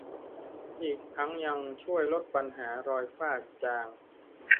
อีกทั้งยังช่วยลดปัญหารอยฝ้าจาง